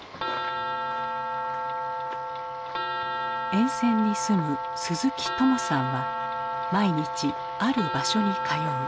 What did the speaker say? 沿線に住む鈴木友さんは毎日ある場所に通う。